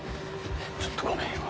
ちょっとごめんよ。